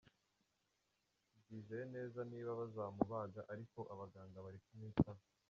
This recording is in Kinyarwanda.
tubyizeye neza niba bazamubaga ariko abaganga bari kumwitaho.